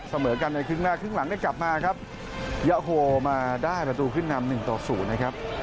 เสมอกันในครึ่งแรกครึ่งหลังได้กลับมาครับยาโฮมาได้ประตูขึ้นนำหนึ่งต่อศูนย์นะครับ